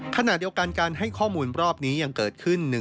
ขณะเดียวกันการให้ข้อมูลรอบนี้ยังเกิดขึ้น